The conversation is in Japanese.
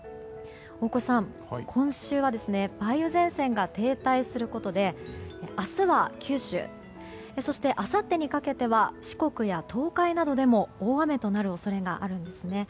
大越さん、今週は梅雨前線が停滞することで明日は九州、そしてあさってにかけては四国や東海などでも大雨となる恐れがあるんです。